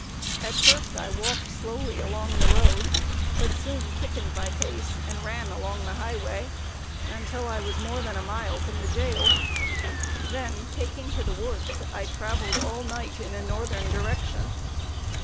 At first I walked slowly along the road, but soon quickened my pace, and ran along the high way, until I was more than a mile from the jail, then taking to the woods, I traveled all night, in a northern direction.